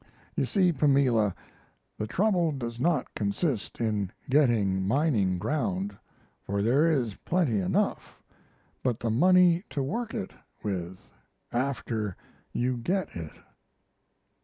You see, Pamela, the trouble does not consist in getting mining ground for there is plenty enough but the money to work it with after you get it.